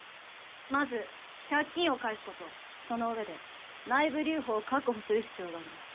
まず借金を返すことその上で内部留保を確保する必要があります